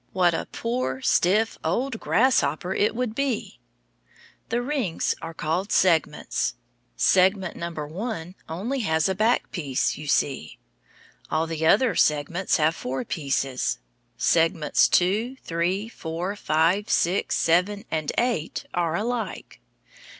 What a poor stiff, old grasshopper it would be! The rings are called segments. Segment number one has only a back piece, you see. All the other segments have four pieces. Segments two, three, four, five, six, seven, and eight are alike.